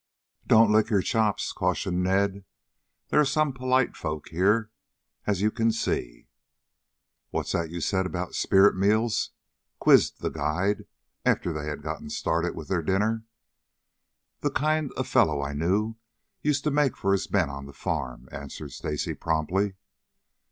"Don't lick your chops," cautioned Ned. "There are some polite folks here, as you can see. "What's that you said about spirit meals?" quizzed the guide after they had gotten started with their dinner. "The kind a fellow I knew used to make for his men on the farm," answered Stacy promptly.